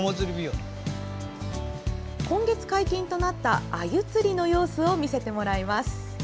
今月解禁となったアユ釣りの様子を見せてもらいます。